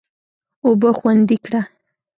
اوبه خوندي کړه.